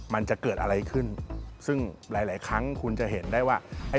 มันจะเกิดอะไรขึ้นซึ่งหลายหลายครั้งคุณจะเห็นได้ว่าไอ้